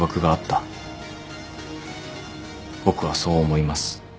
僕はそう思います。